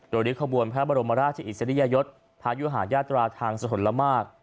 โดยริ้วขบวนพระบรมราชอิสริยยศพายุหายาตราทางสถลมาก